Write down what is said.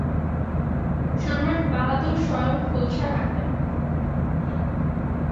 সম্রাটবাহাদুর স্বয়ং খোলসা রাখবেন।